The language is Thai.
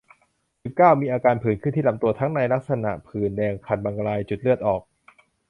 สิบเก้า มีอาการผื่นขึ้นที่ลำตัว ทั้งในลักษณะผื่นแดง คันบางราย จุดเลือดออก